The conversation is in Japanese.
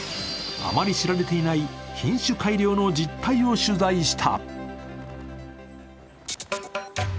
あまり知られていない品種改良の実態を取材した。